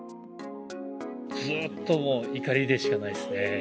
ずっともう、怒りでしかないですね。